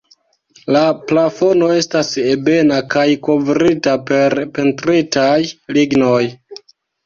La plafono estas ebena kaj kovrita per pentritaj lignoj.